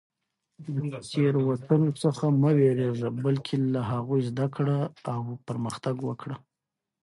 د تېروتنو څخه مه وېرېږه، بلکې له هغوی زده کړه او پرمختګ وکړه.